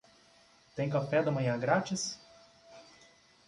Tem café da manhã grátis?